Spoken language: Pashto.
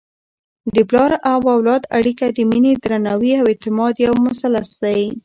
د پلار او اولاد اړیکه د مینې، درناوي او اعتماد یو مثلث دی.